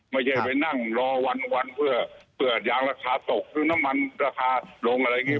ไม่ได้ไปนั่งรอวันพอเปิดยางราคาตกรื้อน้ำมันราคาลงอะไรงี้